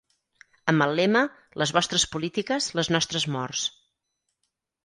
Amb el lema Les vostres polítiques, les nostres morts.